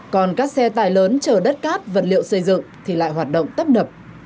còn các xe tải lớn chờ đất cát vật liệu xây dựng thì lại hoạt động tấp nập